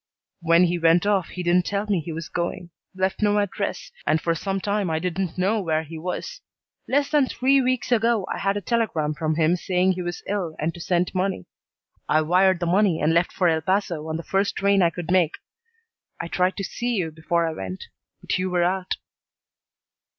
"When he went off he didn't tell me he was going, left no address, and for some time I didn't know where he was. Less than three weeks ago I had a telegram from him saying he was ill and to send money. I wired the money and left for El Paso on the first train I could make. I tried to see you before I went, but you were out."